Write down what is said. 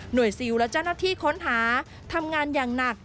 ซิลและเจ้าหน้าที่ค้นหาทำงานอย่างหนัก